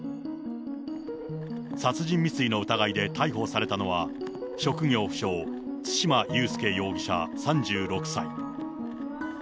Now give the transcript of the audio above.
殺人未遂の疑いで逮捕されたのは、職業不詳、對馬悠介容疑者３６歳。